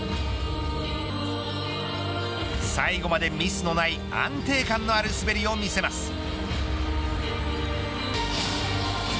最後までミスのない安定感のある滑りを見せます。